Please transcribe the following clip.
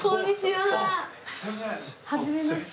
はじめまして。